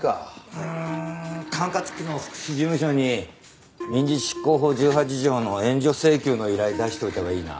うーん管轄区の福祉事務所に民事執行法１８条の援助請求の依頼出しといたほうがいいな。